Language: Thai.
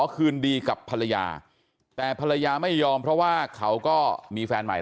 คืนดีกับภรรยาแต่ภรรยาไม่ยอมเพราะว่าเขาก็มีแฟนใหม่